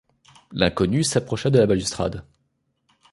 L’inconnu s’approcha de la balustrade.